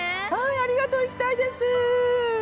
ありがとう、行きたいです。